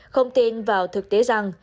không tin vào thực tế rằng